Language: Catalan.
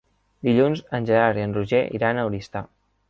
Dilluns en Gerard i en Roger iran a Oristà.